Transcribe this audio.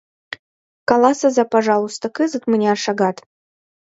— Каласыза, пожалуйста, кызыт мыняр шагат?